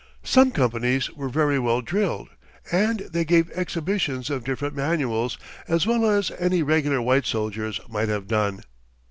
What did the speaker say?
Some companies were very well drilled, and they gave exhibitions of different manuals as well as any regular white soldiers might have done.